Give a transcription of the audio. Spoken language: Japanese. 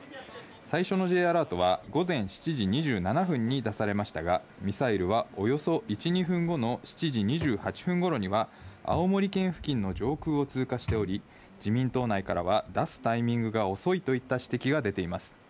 最初のＪアラートは午前７時２７分に出されましたが、ミサイルはおよそ１、２分後の７時２８分ごろには、青森県付近の上空を通過しており、自民党内からは出すタイミングが遅いといった指摘が出ています。